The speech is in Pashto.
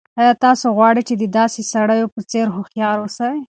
آیا تاسو غواړئ چې د داسې سړیو په څېر هوښیار اوسئ؟